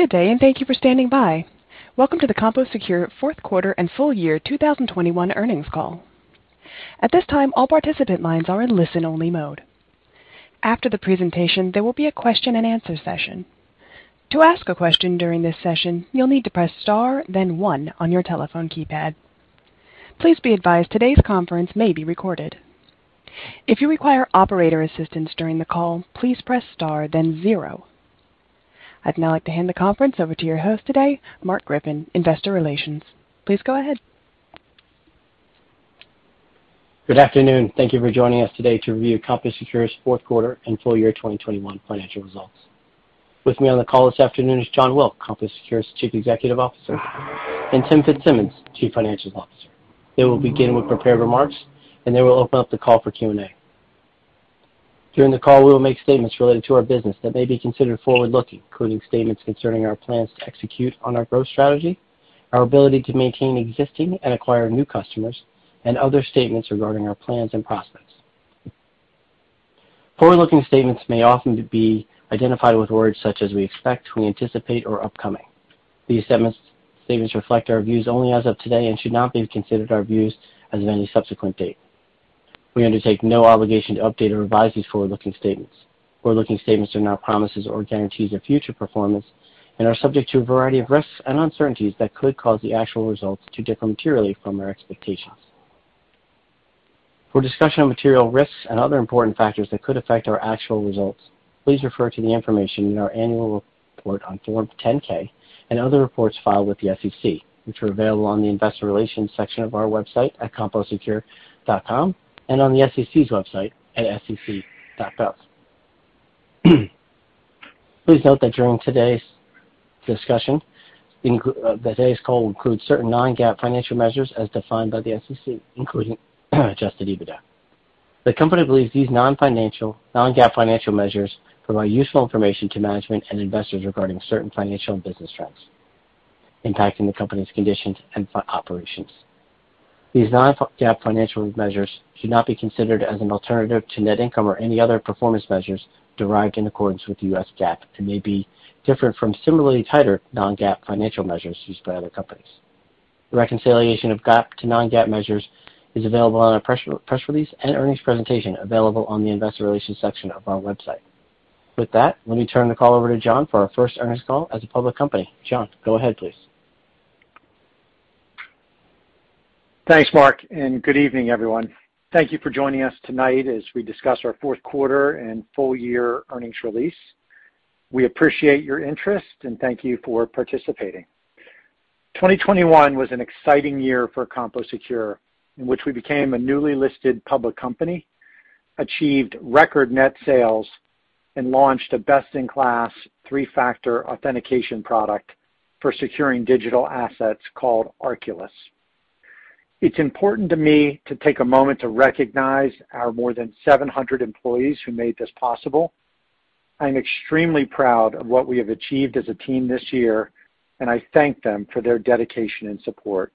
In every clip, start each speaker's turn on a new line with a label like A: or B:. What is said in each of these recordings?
A: Good day, and thank you for standing by. Welcome to the CompoSecure Fourth Quarter and Full Year 2021 Earnings Call. At this time, all participant lines are in listen-only mode. After the presentation, there will be a question-and-answer session. To ask a question during this session, you'll need to press star, then one on your telephone keypad. Please be advised today's conference may be recorded. If you require operator assistance during the call, please press star, then zero. I'd now like to hand the conference over to your host today, Marc Griffin, Investor Relations. Please go ahead.
B: Good afternoon. Thank you for joining us today to review CompoSecure's fourth quarter and full year 2021 financial results. With me on the call this afternoon is Jon Wilk, CompoSecure's Chief Executive Officer, and Tim Fitzsimmons, Chief Financial Officer. They will begin with prepared remarks, and they will open up the call for Q&A. During the call, we will make statements related to our business that may be considered forward-looking, including statements concerning our plans to execute on our growth strategy, our ability to maintain existing and acquire new customers, and other statements regarding our plans and prospects. Forward-looking statements may often be identified with words such as we expect, we anticipate, or upcoming. These statements reflect our views only as of today and should not be considered our views as of any subsequent date. We undertake no obligation to update or revise these forward-looking statements. Forward-looking statements are not promises or guarantees of future performance and are subject to a variety of risks and uncertainties that could cause the actual results to differ materially from our expectations. For discussion of material risks and other important factors that could affect our actual results, please refer to the information in our annual report on Form 10-K and other reports filed with the SEC, which are available on the Investor Relations section of our website at composecure.com and on the SEC's website at sec.gov. Please note that today's call will include certain non-GAAP financial measures as defined by the SEC, including Adjusted EBITDA. The company believes these non-GAAP financial measures provide useful information to management and investors regarding certain financial and business trends impacting the company's conditions and operations. These non-GAAP financial measures should not be considered as an alternative to net income or any other performance measures derived in accordance with the U.S. GAAP and may be different from similarly titled non-GAAP financial measures used by other companies. The reconciliation of GAAP to non-GAAP measures is available on our press release and earnings presentation available on the Investor Relations section of our website. With that, let me turn the call over to Jon for our first earnings call as a public company. Jon, go ahead, please.
C: Thanks, Marc, and good evening, everyone. Thank you for joining us tonight as we discuss our fourth quarter and full year earnings release. We appreciate your interest, and thank you for participating. 2021 was an exciting year for CompoSecure, in which we became a newly listed public company, achieved record net sales, and launched a best-in-class three-factor authentication product for securing digital assets called Arculus. It's important to me to take a moment to recognize our more than 700 employees who made this possible. I am extremely proud of what we have achieved as a team this year, and I thank them for their dedication and support.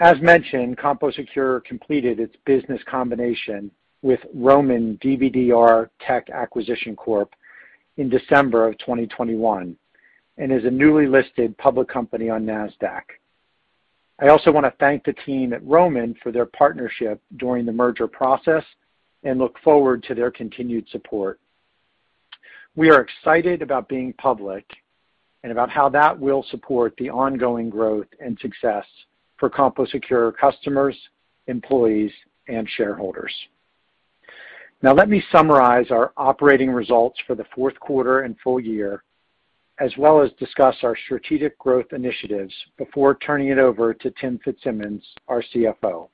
C: As mentioned, CompoSecure completed its business combination with Roman DBDR Tech Acquisition Corp in December 2021 and is a newly listed public company on Nasdaq. I also want to thank the team at Roman for their partnership during the merger process and look forward to their continued support. We are excited about being public and about how that will support the ongoing growth and success for CompoSecure customers, employees, and shareholders. Now, let me summarize our operating results for the fourth quarter and full year, as well as discuss our strategic growth initiatives before turning it over to Tim Fitzsimmons, our CFO.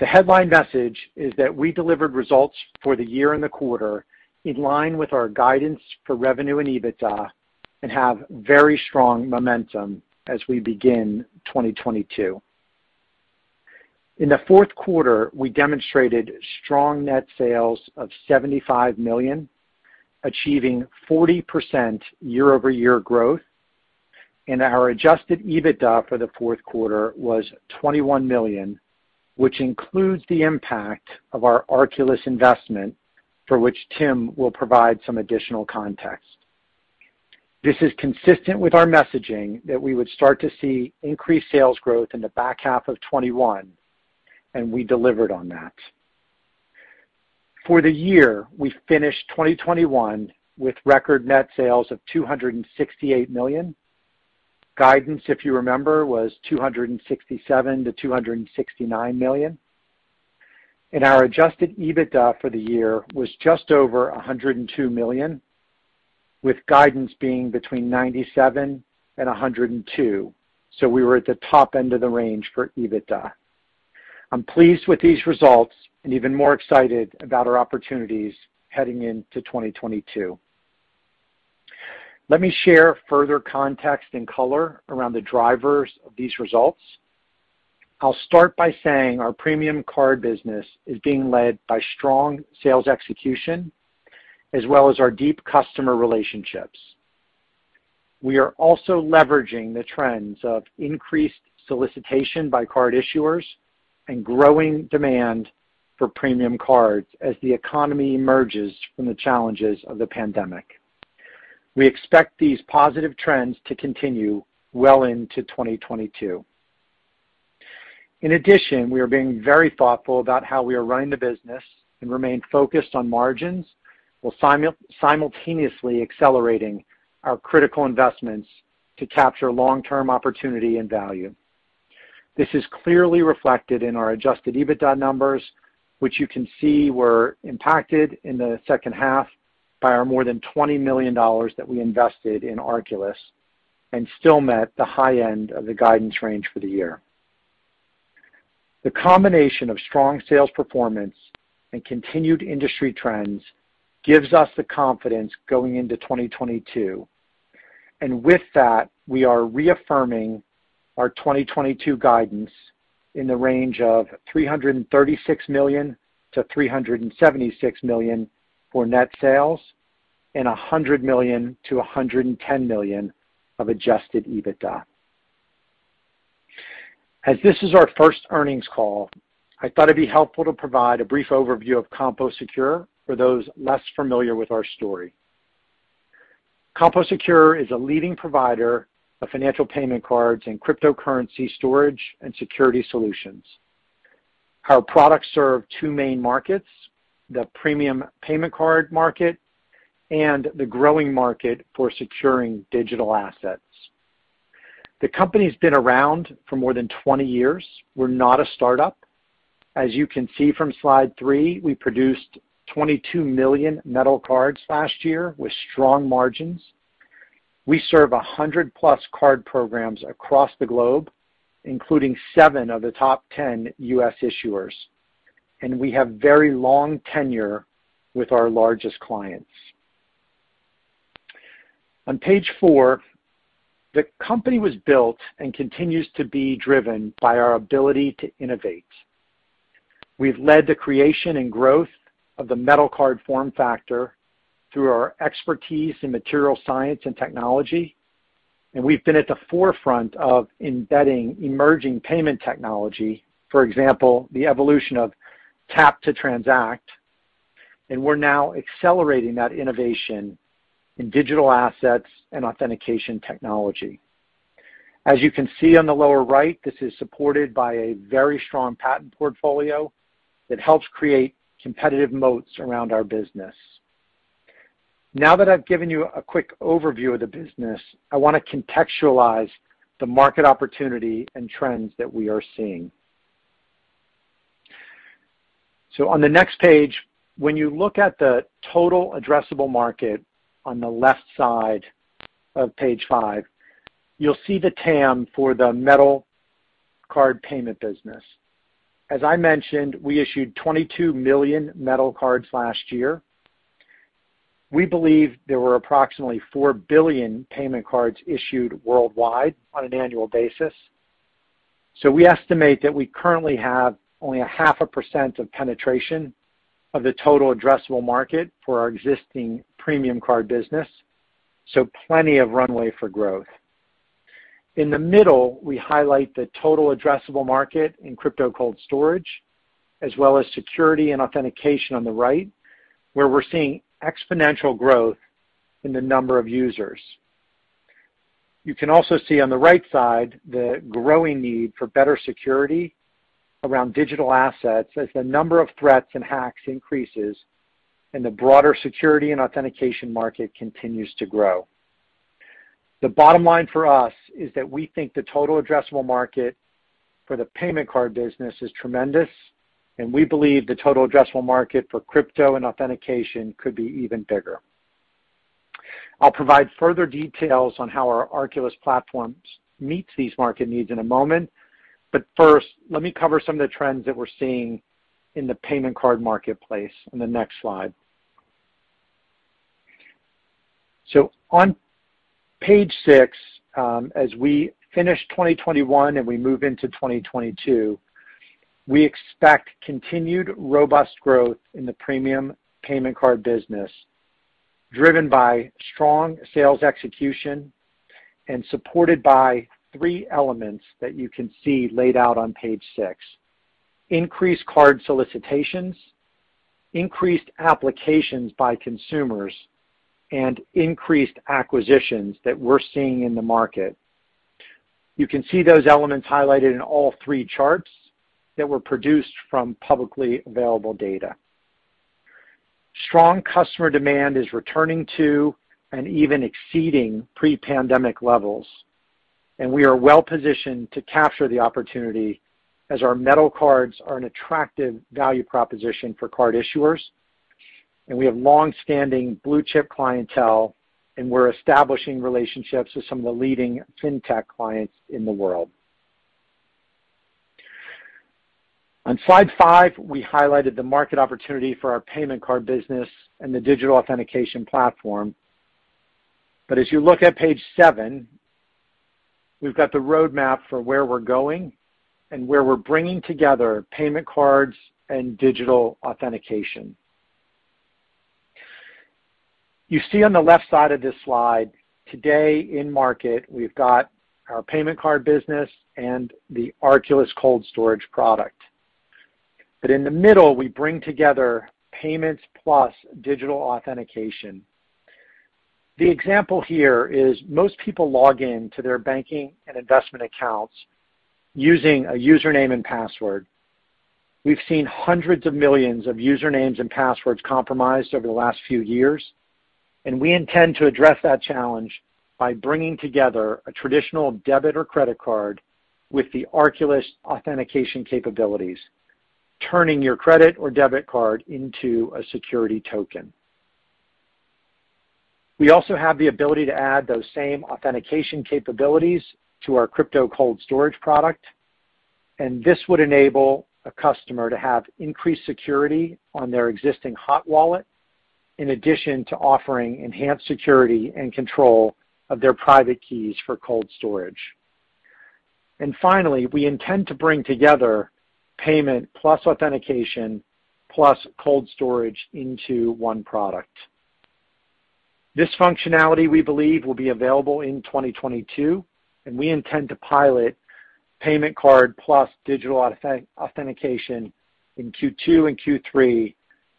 C: The headline message is that we delivered results for the year and the quarter in line with our guidance for revenue and EBITDA and have very strong momentum as we begin 2022. In the fourth quarter, we demonstrated strong net sales of $75 million, achieving 40% year-over-year growth, and our Adjusted EBITDA for the fourth quarter was $21 million, which includes the impact of our Arculus investment, for which Tim will provide some additional context. This is consistent with our messaging that we would start to see increased sales growth in the back half of 2021, and we delivered on that. For the year, we finished 2021 with record net sales of $268 million. Guidance, if you remember, was $267 million-$269 million. Our Adjusted EBITDA for the year was just over $102 million, with guidance being between $97 million and $102 million. We were at the top end of the range for EBITDA. I'm pleased with these results and even more excited about our opportunities heading into 2022. Let me share further context and color around the drivers of these results. I'll start by saying our premium card business is being led by strong sales execution as well as our deep customer relationships. We are also leveraging the trends of increased solicitation by card issuers and growing demand for premium cards as the economy emerges from the challenges of the pandemic. We expect these positive trends to continue well into 2022. In addition, we are being very thoughtful about how we are running the business and remain focused on margins while simultaneously accelerating our critical investments to capture long-term opportunity and value. This is clearly reflected in our Adjusted EBITDA numbers, which you can see were impacted in the second half by our more than $20 million that we invested in Arculus and still met the high end of the guidance range for the year. The combination of strong sales performance and continued industry trends gives us the confidence going into 2022. With that, we are reaffirming our 2022 guidance in the range of $336 million-$376 million for net sales and $100 million-$110 million of Adjusted EBITDA. As this is our first earnings call, I thought it'd be helpful to provide a brief overview of CompoSecure for those less familiar with our story. CompoSecure is a leading provider of financial payment cards and cryptocurrency storage and security solutions. Our products serve two main markets, the premium payment card market and the growing market for securing digital assets. The company's been around for more than 20 years. We're not a startup. As you can see from slide three, we produced 22 million metal cards last year with strong margins. We serve 100+ card programs across the globe, including seven of the top 10 U.S. issuers, and we have very long tenure with our largest clients. On page four, the company was built and continues to be driven by our ability to innovate. We've led the creation and growth of the metal card form factor through our expertise in material science and technology, and we've been at the forefront of embedding emerging payment technology, for example, the evolution of tap to transact, and we're now accelerating that innovation in digital assets and authentication technology. As you can see on the lower right, this is supported by a very strong patent portfolio that helps create competitive moats around our business. Now that I've given you a quick overview of the business, I want to contextualize the market opportunity and trends that we are seeing. On the next page, when you look at the total addressable market on the left side of page five, you'll see the TAM for the metal card payment business. As I mentioned, we issued 22 million metal cards last year. We believe there were approximately 4 billion payment cards issued worldwide on an annual basis. We estimate that we currently have only a 0.5% penetration of the total addressable market for our existing premium card business, so plenty of runway for growth. In the middle, we highlight the total addressable market in crypto cold storage, as well as security and authentication on the right, where we're seeing exponential growth in the number of users. You can also see on the right side the growing need for better security around digital assets as the number of threats and hacks increases and the broader security and authentication market continues to grow. The bottom line for us is that we think the total addressable market for the payment card business is tremendous, and we believe the total addressable market for crypto and authentication could be even bigger. I'll provide further details on how our Arculus platform meets these market needs in a moment, but first, let me cover some of the trends that we're seeing in the payment card marketplace on the next slide. On page six, as we finish 2021 and we move into 2022, we expect continued robust growth in the premium payment card business, driven by strong sales execution and supported by three elements that you can see laid out on page six. Increased card solicitations, increased applications by consumers, and increased acquisitions that we're seeing in the market. You can see those elements highlighted in all three charts that were produced from publicly available data. Strong customer demand is returning to and even exceeding pre-pandemic levels, and we are well-positioned to capture the opportunity as our metal cards are an attractive value proposition for card issuers, and we have long-standing blue-chip clientele, and we're establishing relationships with some of the leading fintech clients in the world. On slide five, we highlighted the market opportunity for our payment card business and the digital authentication platform. As you look at page seven. We've got the roadmap for where we're going and where we're bringing together payment cards and digital authentication. You see on the left side of this slide, today in market, we've got our payment card business and the Arculus cold storage product. In the middle, we bring together payments plus digital authentication. The example here is most people log in to their banking and investment accounts using a username and password. We've seen hundreds of millions of usernames and passwords compromised over the last few years, and we intend to address that challenge by bringing together a traditional debit or credit card with the Arculus authentication capabilities, turning your credit or debit card into a security token. We also have the ability to add those same authentication capabilities to our crypto cold storage product, and this would enable a customer to have increased security on their existing hot wallet, in addition to offering enhanced security and control of their private keys for cold storage. Finally, we intend to bring together payment plus authentication plus cold storage into one product. This functionality, we believe, will be available in 2022, and we intend to pilot payment card plus digital authentication in Q2 and Q3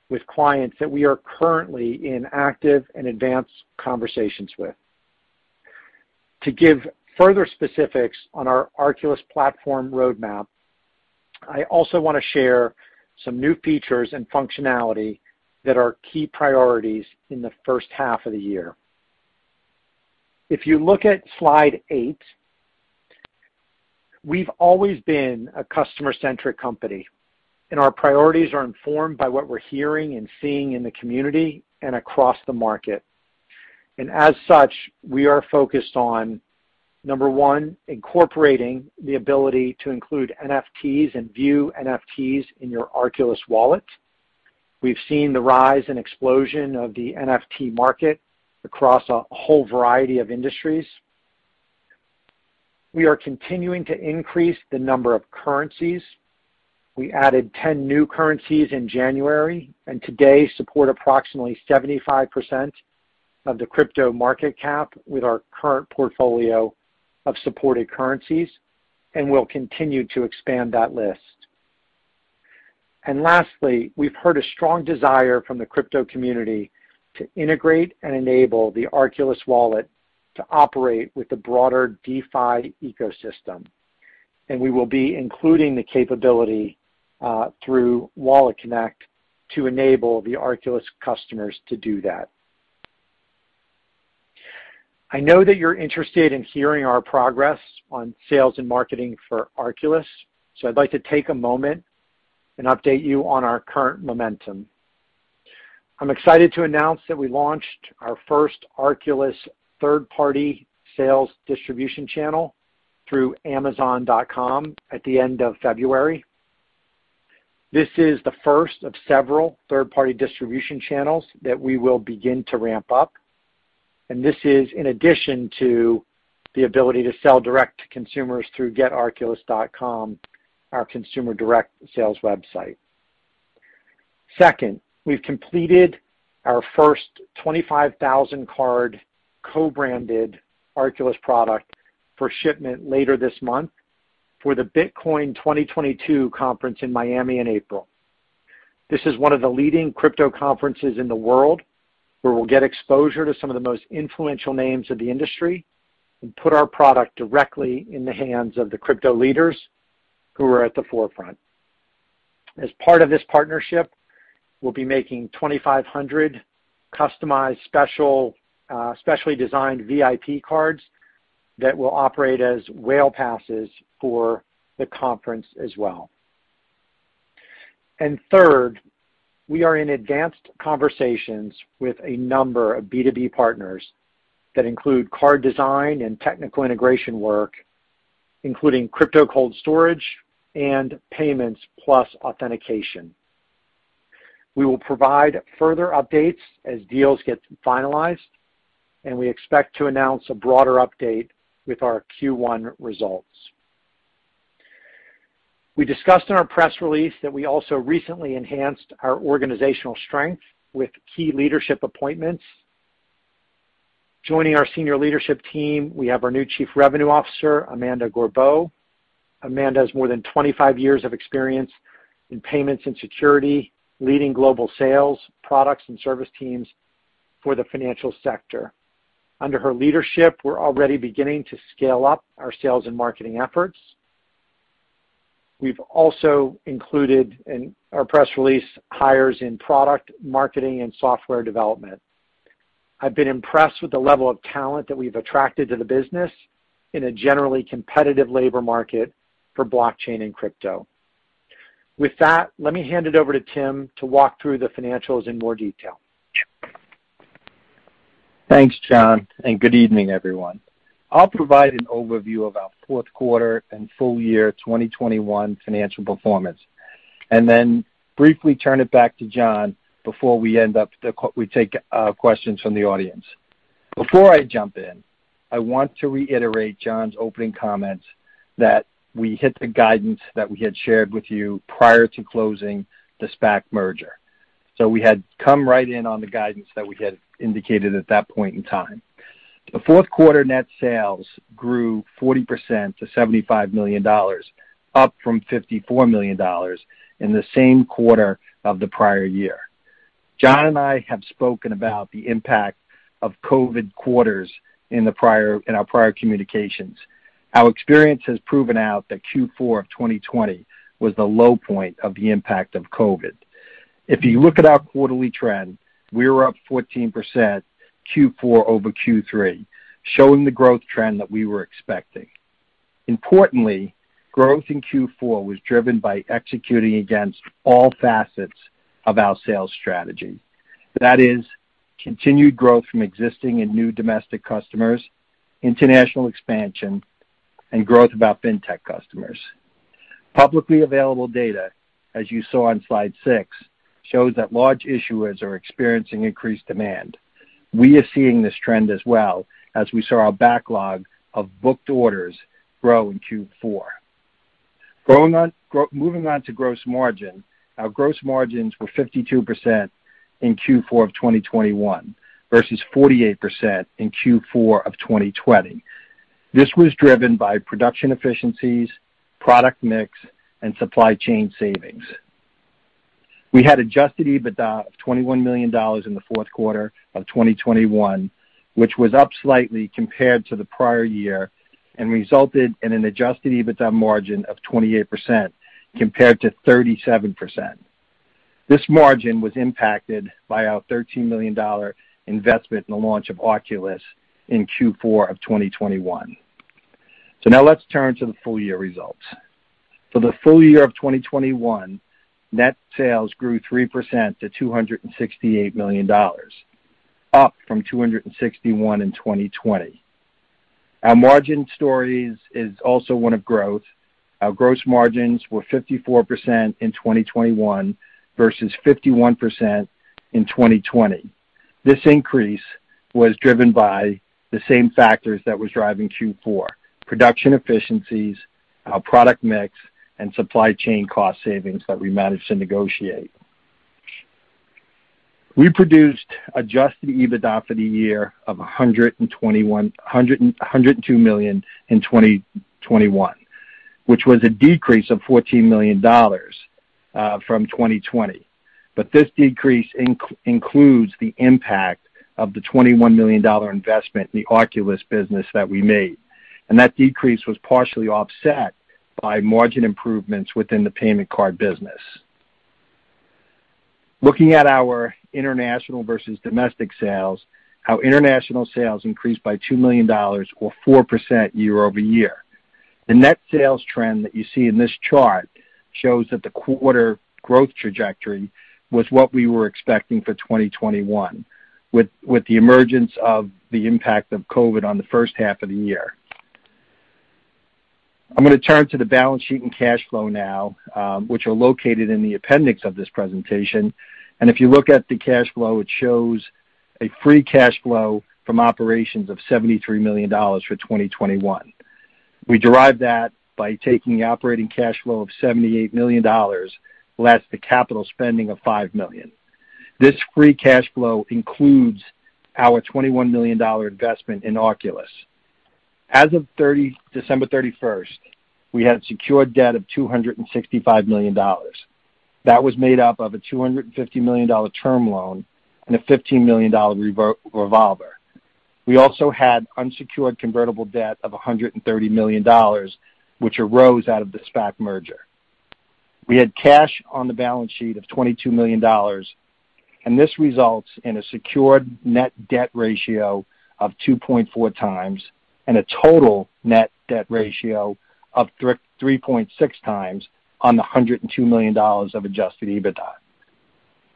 C: with clients that we are currently in active and advanced conversations with. To give further specifics on our Arculus platform roadmap, I also wanna share some new features and functionality that are key priorities in the first half of the year. If you look at slide eight, we've always been a customer-centric company, and our priorities are informed by what we're hearing and seeing in the community and across the market. As such, we are focused on, number one, incorporating the ability to include NFTs and view NFTs in your Arculus wallet. We've seen the rise and explosion of the NFT market across a whole variety of industries. We are continuing to increase the number of currencies. We added 10 new currencies in January and today support approximately 75% of the crypto market cap with our current portfolio of supported currencies, and we'll continue to expand that list. Lastly, we've heard a strong desire from the crypto community to integrate and enable the Arculus wallet to operate with the broader DeFi ecosystem, and we will be including the capability through WalletConnect to enable the Arculus customers to do that. I know that you're interested in hearing our progress on sales and marketing for Arculus, so I'd like to take a moment and update you on our current momentum. I'm excited to announce that we launched our first Arculus third-party sales distribution channel through amazon.com at the end of February. This is the first of several third-party distribution channels that we will begin to ramp up, and this is in addition to the ability to sell direct to consumers through getarculus.com, our consumer direct sales website. Second, we've completed our first 25,000 card co-branded Arculus product for shipment later this month for the Bitcoin 2022 Conference in Miami in April. This is one of the leading crypto conferences in the world, where we'll get exposure to some of the most influential names of the industry and put our product directly in the hands of the crypto leaders who are at the forefront. As part of this partnership, we'll be making 2,500 customized special, specially designed VIP cards that will operate as Whale Passes for the conference as well. Third, we are in advanced conversations with a number of B2B partners that include card design and technical integration work, including crypto cold storage and payments plus authentication. We will provide further updates as deals get finalized, and we expect to announce a broader update with our Q1 results. We discussed in our press release that we also recently enhanced our organizational strength with key leadership appointments. Joining our senior leadership team, we have our new Chief Revenue Officer, Amanda Gourbault. Amanda has more than 25 years of experience in payments and security, leading global sales, products, and service teams for the financial sector. Under her leadership, we're already beginning to scale up our sales and marketing efforts. We've also included in our press release hires in product marketing and software development. I've been impressed with the level of talent that we've attracted to the business in a generally competitive labor market for blockchain and crypto. With that, let me hand it over to Tim to walk through the financials in more detail.
D: Thanks, Jon, and good evening, everyone. I'll provide an overview of our fourth quarter and full year 2021 financial performance. Briefly turn it back to Jon before we take questions from the audience. Before I jump in, I want to reiterate Jon's opening comments that we hit the guidance that we had shared with you prior to closing the SPAC merger. We had come right in on the guidance that we had indicated at that point in time. The fourth quarter net sales grew 40% to $75 million, up from $54 million in the same quarter of the prior year. Jon and I have spoken about the impact of COVID quarters in our prior communications. Our experience has proven out that Q4 of 2020 was the low point of the impact of COVID. If you look at our quarterly trend, we were up 14% Q4 over Q3, showing the growth trend that we were expecting. Importantly, growth in Q4 was driven by executing against all facets of our sales strategy. That is continued growth from existing and new domestic customers, international expansion, and growth of our fintech customers. Publicly available data, as you saw on slide 6, shows that large issuers are experiencing increased demand. We are seeing this trend as well as we saw our backlog of booked orders grow in Q4. Moving on to gross margin. Our gross margins were 52% in Q4 of 2021 versus 48% in Q4 of 2020. This was driven by production efficiencies, product mix, and supply chain savings. We had adjusted EBITDA of $21 million in the fourth quarter of 2021, which was up slightly compared to the prior year and resulted in an Adjusted EBITDA margin of 28% compared to 37%. This margin was impacted by our $13 million investment in the launch of Arculus in Q4 of 2021. Now let's turn to the full year results. For the full year of 2021, net sales grew 3% to $268 million, up from $261 million in 2020. Our margin story is also one of growth. Our gross margins were 54% in 2021 versus 51% in 2020. This increase was driven by the same factors that was driving Q4, production efficiencies, our product mix, and supply chain cost savings that we managed to negotiate. We produced Adjusted EBITDA for the year of $102 million in 2021, which was a decrease of $14 million from 2020. This decrease includes the impact of the $21 million investment in the Arculus business that we made. That decrease was partially offset by margin improvements within the payment card business. Looking at our international versus domestic sales, our international sales increased by $2 million or 4% year-over-year. The net sales trend that you see in this chart shows that the quarter growth trajectory was what we were expecting for 2021, with the emergence of the impact of COVID on the first half of the year. I'm going to turn to the balance sheet and cash flow now, which are located in the appendix of this presentation. If you look at the cash flow, it shows a free cash flow from operations of $73 million for 2021. We derive that by taking the operating cash flow of $78 million, less the capital spending of $5 million. This free cash flow includes our $21 million investment in Arculus. As of December 31, we had secured debt of $265 million. That was made up of a $250 million term loan and a $15 million revolver. We also had unsecured convertible debt of $130 million, which arose out of the SPAC merger. We had cash on the balance sheet of $22 million, and this results in a secured net debt ratio of 2.4x and a total net debt ratio of 33.6x on the $102 million of Adjusted EBITDA.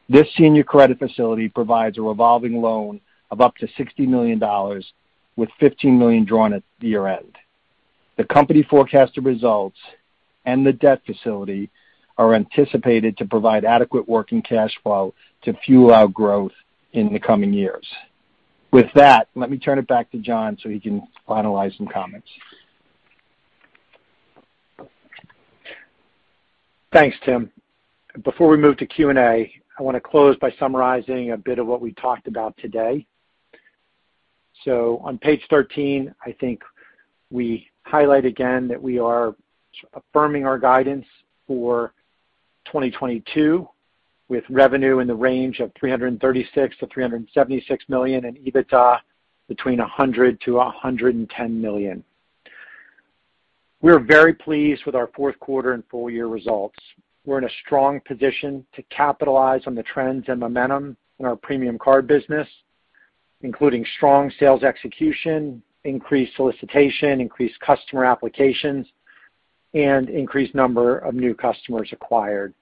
D: This senior crees and a total net debt ratio of 33.6x on the $102 million of Adjusted EBITDA. This senior credit facility provides a revolving loan of up to $60 million, with $15 million drawn at year-end. The company forecasted results and the debt facility are anticipated to provide adequate working cash flow to fuel our growth in the coming years. With that, let me turn it back to Jon so he can finalize some comments.
C: Thanks, Tim. Before we move to Q&A, I want to close by summarizing a bit of what we talked about today. On page 13, I think we highlight again that we are affirming our guidance for 2022, with revenue in the range of $336 million-$376 million and EBITDA between $100 million-$110 million. We are very pleased with our fourth quarter and full year results. We're in a strong position to capitalize on the trends and momentum in our premium card business, including strong sales execution, increased solicitation, increased customer applications, and increased number of new customers acquired.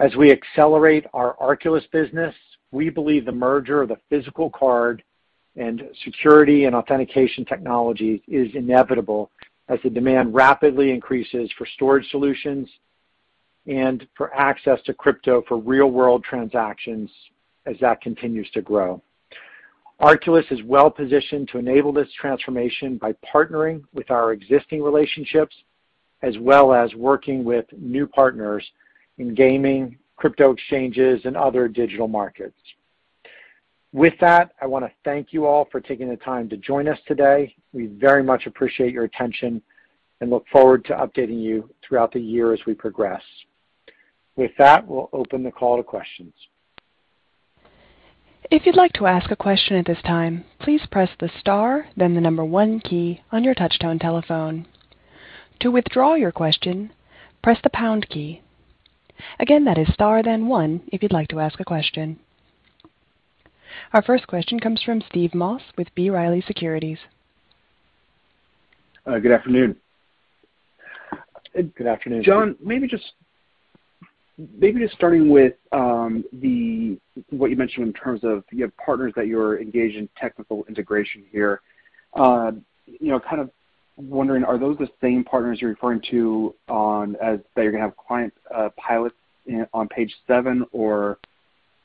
C: As we accelerate our Arculus business, we believe the merger of the physical card and security and authentication technology is inevitable as the demand rapidly increases for storage solutions and for access to crypto for real-world transactions as that continues to grow. Arculus is well-positioned to enable this transformation by partnering with our existing relationships, as well as working with new partners in gaming, crypto exchanges, and other digital markets. With that, I wanna thank you all for taking the time to join us today. We very much appreciate your attention and look forward to updating you throughout the year as we progress. With that, we'll open the call to questions.
A: Our first question comes from Steve Moss with B. Riley Securities.
E: Good afternoon.
C: Good afternoon, Steve.
E: Jon, maybe just starting with what you mentioned in terms of you have partners that you're engaged in technical integration here. You know, kind of wondering, are those the same partners you're referring to, or the ones that you're gonna have client pilots on page seven? Or,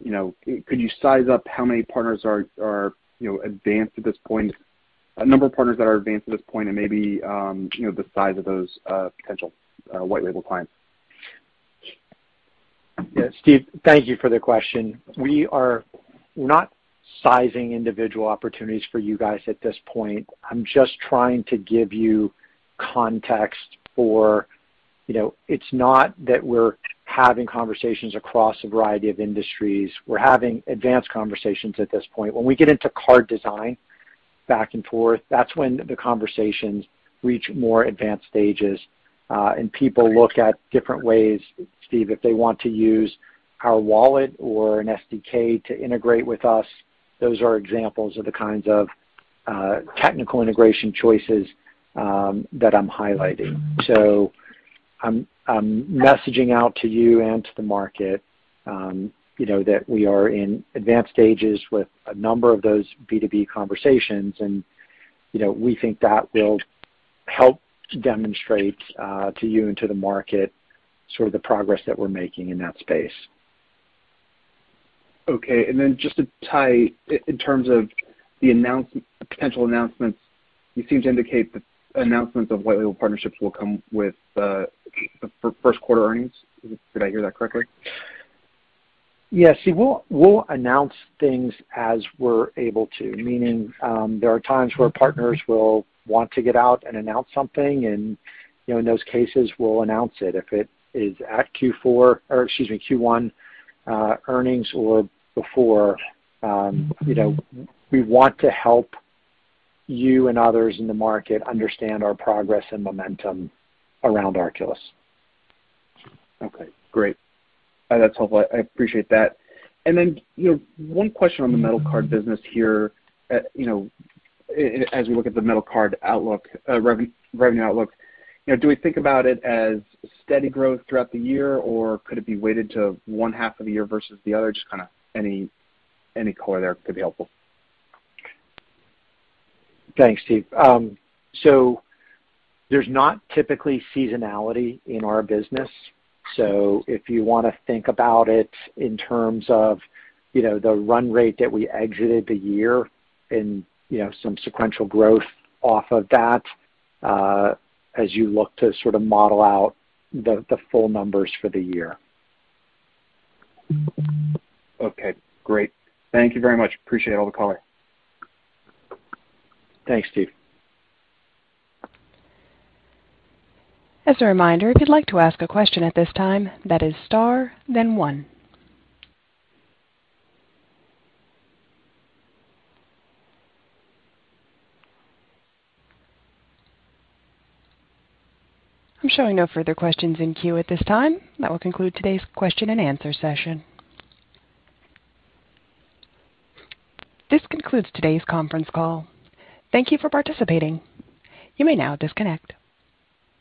E: you know, could you size up how many partners are, you know, advanced at this point and maybe the size of those potential white label clients.
C: Yeah. Steve, thank you for the question. We are not sizing individual opportunities for you guys at this point. I'm just trying to give you context for, you know, it's not that we're having conversations across a variety of industries. We're having advanced conversations at this point. When we get into card design back and forth, that's when the conversations reach more advanced stages, and people look at different ways, Steve, if they want to use our wallet or an SDK to integrate with us, those are examples of the kinds of technical integration choices that I'm highlighting. I'm messaging out to you and to the market, you know, that we are in advanced stages with a number of those B2B conversations. You know, we think that will help to demonstrate to you and to the market sort of the progress that we're making in that space.
E: Okay. Just to tie in terms of the potential announcements, you seem to indicate the announcements of white label partnerships will come with the first quarter earnings. Did I hear that correctly?
C: Yes. See, we'll announce things as we're able to. Meaning, there are times where partners will want to get out and announce something and, you know, in those cases, we'll announce it. If it is at Q4 or, excuse me, Q1 earnings or before, you know, we want to help you and others in the market understand our progress and momentum around Arculus.
E: Okay, great. That's helpful. I appreciate that. You know, one question on the metal card business here. You know, as we look at the metal card revenue outlook, you know, do we think about it as steady growth throughout the year, or could it be weighted to one half of the year versus the other? Just kinda any color there could be helpful.
C: Thanks, Steve. There's not typically seasonality in our business. If you wanna think about it in terms of, you know, the run rate that we exited the year and, you know, some sequential growth off of that, as you look to sort of model out the full numbers for the year.
E: Okay, great. Thank you very much. Appreciate all the color.
C: Thanks, Steve.
A: As a reminder, if you'd like to ask a question at this time, that is star then one. I'm showing no further questions in queue at this time. That will conclude today's question and answer session. This concludes today's conference call. Thank you for participating. You may now disconnect.